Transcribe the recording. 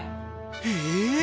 へえ！